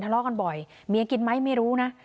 ทะเลาะกันบ่อยเมียกินไหมไม่รู้นะ